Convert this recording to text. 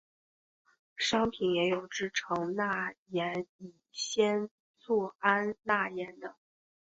商品也有制成钠盐乙酰唑胺钠盐的。